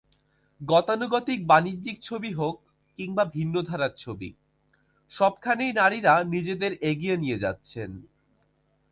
গতানুগতিক বাণিজ্যিক ছবি হোক, কিংবা ভিন্নধারার ছবি—সবখানেই নারীরা নিজেদের এগিয়ে নিয়ে যাচ্ছেন।